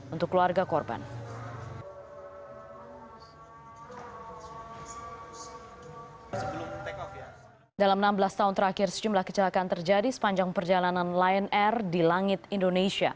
untuk penyelidikan pesawat lain